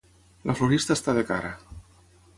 La florista està de cara.